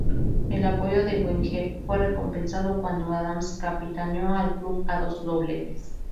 El apoyo de Wenger fue recompensado cuando Adams capitaneó al club a dos dobletes.